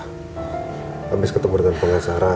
habis ketemu dengan pengacara